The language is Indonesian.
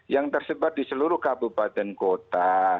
yang tersebar di seluruh kabupaten kota